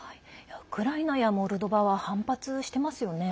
ウクライナやモルドバは反発していますよね。